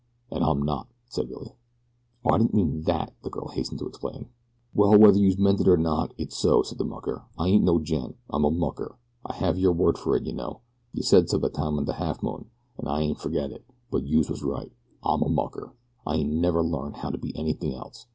"An' I'm not," said Billy. "Oh, I didn't mean THAT," the girl hastened to explain. "Well, whether youse meant it or not, it's so," said the mucker. "I ain't no gent I'm a mucker. I have your word for it, you know yeh said so that time on de Halfmoon, an' I ain't fergot it; but youse was right I am a mucker. I ain't never learned how to be anything else.